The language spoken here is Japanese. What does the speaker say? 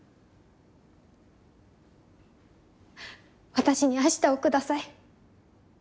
私に明日を下さい。